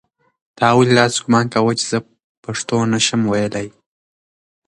تا ولې داسې ګومان کاوه چې زه پښتو نه شم ویلی؟